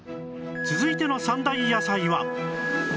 続いての３大野菜は